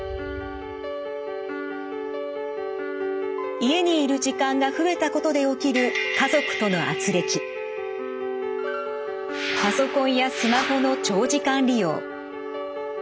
家にいる時間が増えたことで起きるパソコンやスマホの長時間利用。